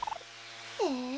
へえ。